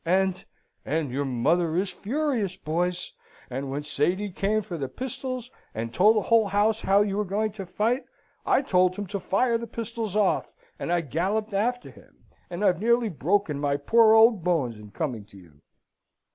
And and your mother is furious, boys. And when Sady came for the pistols, and told the whole house how you were going to fight, I told him to fire the pistols off; and I galloped after him, and I've nearly broken my poor old bones in coming to you."